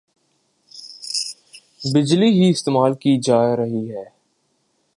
بجلی ہی استعمال کی جارہی ھے